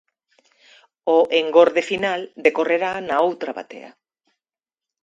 O engorde final decorrerá na outra batea.